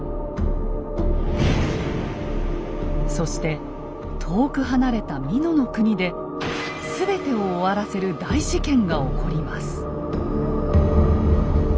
そして遠く離れた美濃国で全てを終わらせる大事件が起こります。